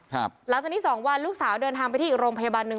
หลังจากนี้สองวันลูกสาวเดินทางไปที่อีกโรงพยาบาลหนึ่ง